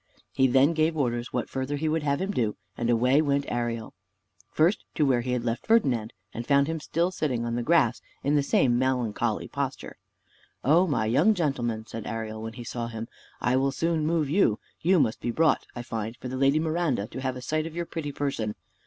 He then gave orders what further he would have him do; and away went Ariel, first to where he had left Ferdinand, and found him still sitting on the grass in the same melancholy posture. "O my young gentleman," said Ariel, when he saw him, "I will soon move you. You must be brought, I find, for the Lady Miranda to have a sight of your pretty person.